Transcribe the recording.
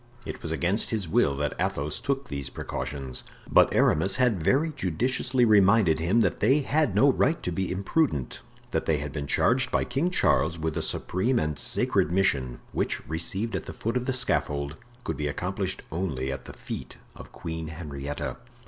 It was against his will that Athos took these precautions, but Aramis had very judiciously reminded him that they had no right to be imprudent, that they had been charged by King Charles with a supreme and sacred mission, which, received at the foot of the scaffold, could be accomplished only at the feet of Queen Henrietta.